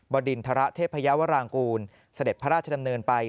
บดินทรเทพยาวรางกูลเสด็จพระราชดำเนินไป